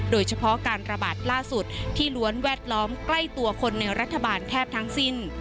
โดยเฉพาะการระบาดล่าสุดที่ล้วนแวดล้อมใกล้ตัวคนในรัฐบาลแทบทั้งสิ้น